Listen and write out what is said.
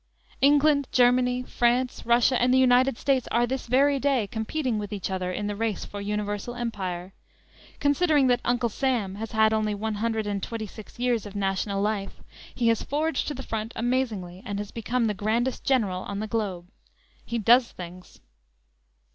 England, Germany, France, Russia and the United States are this very day competing with each other in the race for universal empire! Considering that "Uncle Sam" has had only one hundred and twenty six years of national life, he has forged to the front amazingly, and has become the grandest "General" on the globe! He does things!